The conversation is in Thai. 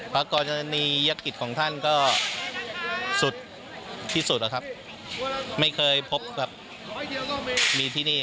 ปรากรณียักษ์กิจของท่านก็สุดที่สุดครับไม่เคยพบครับมีที่นี่ครับ